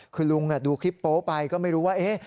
คือลุงดูคลิปโป๊ไปก็ไม่รู้ว่า